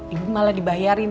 ibu malah dibayarin